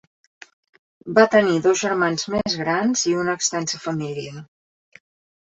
Va tenir dos germans més grans i una extensa família.